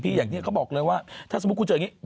อย่างนี้เขาบอกเลยว่าถ้าสมมุติคุณเจออย่างนี้